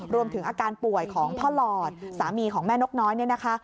รวมถึงอาการป่วยของพ่อหลอดสามีของแม่นกน้อยเนี่ยนะคะ